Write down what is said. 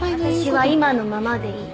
私は今のままでいい。